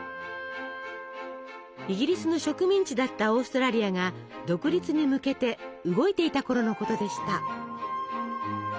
イギリスの植民地だったオーストラリアが独立に向けて動いていたころのことでした。